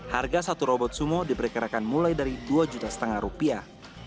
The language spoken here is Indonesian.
harga satu robot sumo diperkirakan mulai dari dua juta setengah rupiah